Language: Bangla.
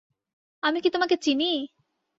আমি কি তোমাকে চিনি?